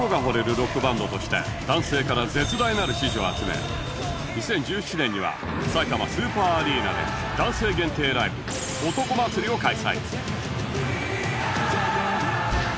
ロックバンドとして男性から絶大なる支持を集め２０１７年にはさいたまスーパーアリーナで男性限定ライブ男祭りを開催